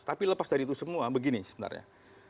tapi lepas dari itu semua begini sebenarnya